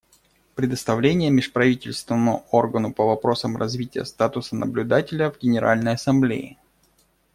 Предоставление Межправительственному органу по вопросам развития статуса наблюдателя в Генеральной Ассамблее.